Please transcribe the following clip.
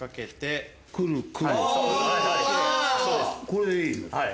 これでいい？